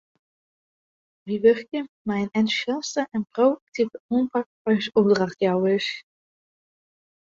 Wy wurkje mei in entûsjaste en pro-aktive oanpak foar ús opdrachtjouwers.